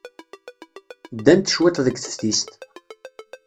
Ddant cwiṭ deg teftist.